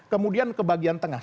kemudian ke bagian tengah